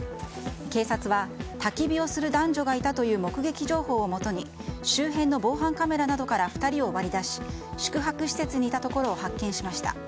警察はたき火をする男女がいたという目撃情報をもとに周辺の防犯カメラなどから２人を割り出し宿泊施設にいたところを発見しました。